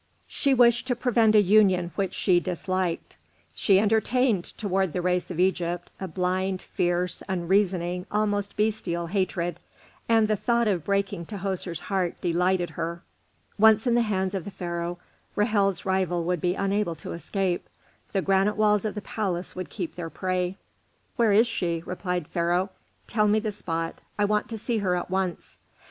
She wished to prevent a union which she disliked. She entertained towards the race of Egypt, a blind, fierce, unreasoning, almost bestial hatred, and the thought of breaking Tahoser's heart delighted her. Once in the hands of the Pharaoh, Ra'hel's rival would be unable to escape; the granite walls of the palace would keep their prey. "Where is she?" said Pharaoh; "tell me the spot. I want to see her at once."